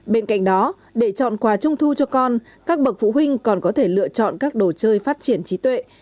bên cạnh đó để chọn quà trung thu cho con các bậc phụ huynh còn có thể lựa chọn các đồ chơi phát triển trí tuệ